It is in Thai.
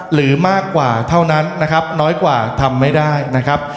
หรือมากกว่าเท่านั้นนะครับน้อยกว่าทำไม่ได้นะครับ